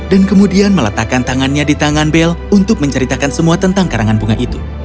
dan kemudian meletakkan tangannya di tangan belle untuk menceritakan semua tentang karangan bunga itu